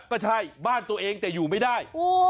ก็ใช่บ้านตัวเองแต่อยู่ไม่ได้